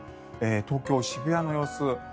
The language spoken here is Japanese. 東京・渋谷の様子。